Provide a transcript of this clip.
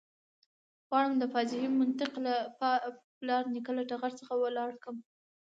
غواړم د فاجعې منطق له پلار نیکه له ټغر څخه ولاړ کړم.